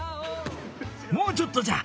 もうちょっとじゃ！